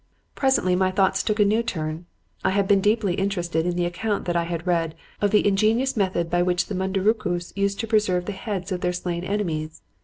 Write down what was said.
"Presently my thoughts took a new turn. I had been deeply interested in the account that I had read of the ingenious method by which the Mundurucús used to preserve the heads of their slain enemies.